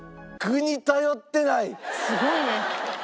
すごいね。